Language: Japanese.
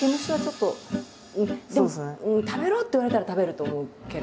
でも「食べろ」って言われたら食べると思うけれども。